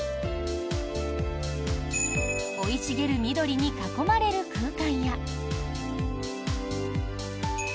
生い茂る緑に囲まれる空間や。